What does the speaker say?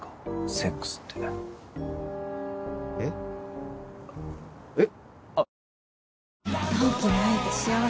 セックスってえっ？えっ？